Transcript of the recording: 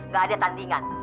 gak ada tandingan